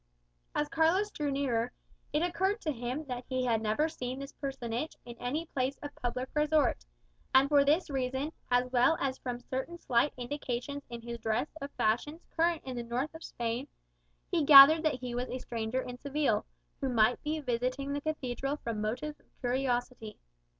As Carlos drew nearer, it occurred to him that he had never seen this personage in any place of public resort, and for this reason, as well as from certain slight indications in his dress of fashions current in the north of Spain, he gathered that he was a stranger in Seville, who might be visiting the Cathedral from motives of curiosity.